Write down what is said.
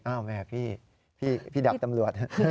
อ้าวแม่พี่พี่ดับตำรวจ